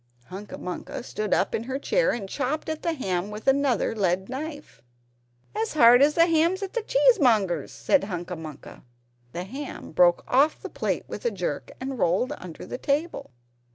Hunca Munca stood up in her chair, and chopped at the ham with another lead knife. "It's as hard as the hams at the cheesemonger's," said Hunca Munca. The ham broke off the plate with a jerk, and rolled under the table.